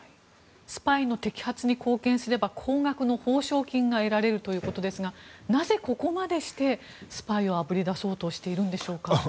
スパイの摘発に貢献すれば高額の報奨金が得られるということですがなぜここまでしてスパイをあぶり出そうとしているんでしょうか。